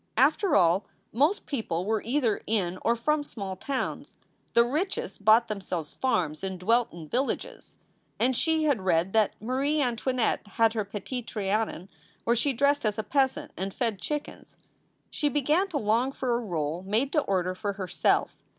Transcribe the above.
After all, most people were either in or from small towns. The richest bought themselves farms and dwelt in villages, and she had read that Marie Antionette had her Petit Trianon where she dressed as a peasant and fed chickens. She began to long for a role made to order for herself.